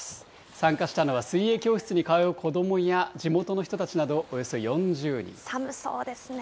参加したのは水泳教室に通う子どもや地元の人たちなど、およそ４寒そうですね。